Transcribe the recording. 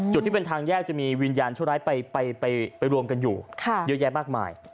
ที่เป็นทางแยกจะมีวิญญาณชั่วร้ายไปรวมกันอยู่เยอะแยะมากมาย